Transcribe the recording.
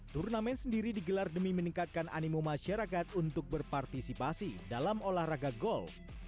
tournament sendiri digelar demi meningkatkan animu masyarakat untuk berpartisipasi dalam olahraga golf